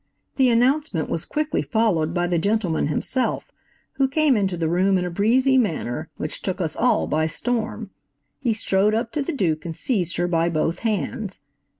The announcement was quickly followed by the gentleman himself, who came into the room in a breezy manner which took us all by storm. He strode up to the Duke and seized her by both hands.